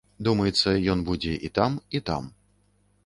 Думаецца, ён будзе і там, і там.